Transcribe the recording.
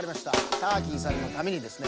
ターキーさんのためにですね